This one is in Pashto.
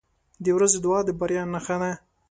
• د ورځې دعا د بریا نښه ده.